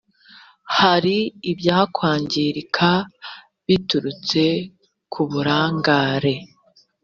hari ibyakwangirika biturutse ku burangare